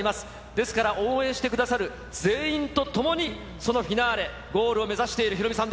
ですから応援してくださる全員と共にそのフィナーレ、ゴールを目指しているヒ